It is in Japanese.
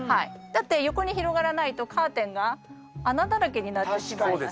だって横に広がらないとカーテンが穴だらけになってしまいます。